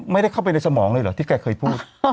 ไม่ได้เข้าไปในสมองเลยเหรอที่แกเคยพูด